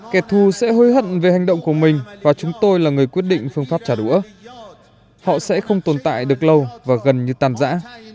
kẻ thù sẽ hối hận về hành động của mình và chúng tôi là người quyết định phương pháp trả đũa họ sẽ không tồn tại được lâu và gần như tàn giã